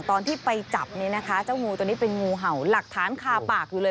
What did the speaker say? ตอนที่ไปจับเนี่ยนะคะเจ้างูตัวนี้เป็นงูเห่าหลักฐานคาปากอยู่เลย